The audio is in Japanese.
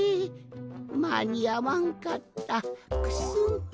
まにあわんかったクスン。